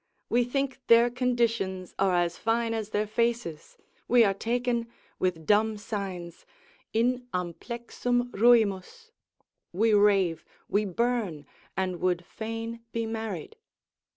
we think their conditions are as fine as their faces, we are taken, with dumb signs, in amplexum ruimus, we rave, we burn, and would fain be married.